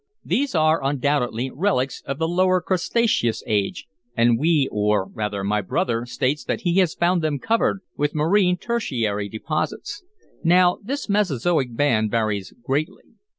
These are, undoubtedly, relics of the lower Cretaceous age, and we, or rather, my brother, states that he has found them covered with marine Tertiary deposits. "Now this Mesozoic band varies greatly.